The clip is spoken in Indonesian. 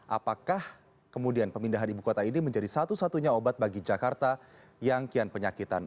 apakah kemudian pemindahan ibu kota ini menjadi satu satunya obat bagi jakarta yang kian penyakitan